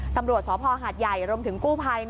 ตำรวจสภหาดใหญ่รวมถึงกู้ภัย